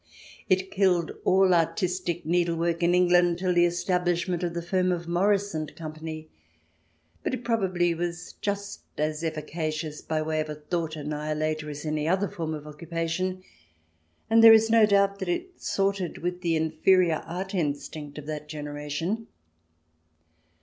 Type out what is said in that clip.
It killed all artistic needlework in England till the establishment of the firm of Morris and Company. But it probably was just as efficacious by way of a thought annihilator as any other form of occupation, and there is no doubt that it sorted with the inferior art instinct of that generation.